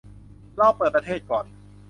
รอเปิดประเทศก่อน